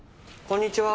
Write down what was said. こんにちは。